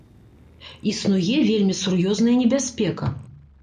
Існуе вельмі сур'ёзная небяспека.